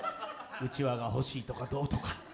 うちわが欲しいとか、どうとか。